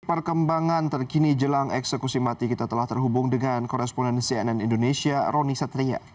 perkembangan terkini jelang eksekusi mati kita telah terhubung dengan koresponen cnn indonesia roni satria